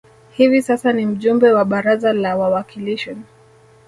Hivi sasa ni mjumbe wa baraza la wawakilishi